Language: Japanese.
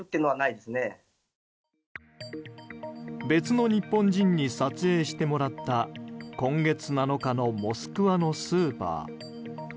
別の日本人に撮影してもらった今月７日のモスクワのスーパー。